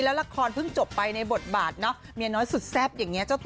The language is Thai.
แล้วละครเพิ่งจบไปในบทบาทเนอะ